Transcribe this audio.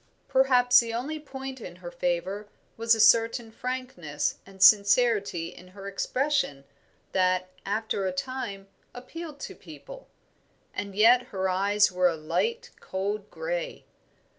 Perhaps the only point in her favour was a certain frankness and sincerity in her expression that, after a time, appealed to people; and yet her eyes were a light, cold grey.